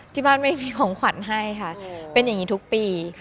ที่บ้านไม่มีของขวัญให้ค่ะเป็นอย่างนี้ทุกปี